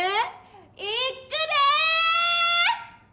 いっくでぇ！